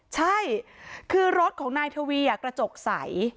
ใช่คือรถของนายทวีกระจกใส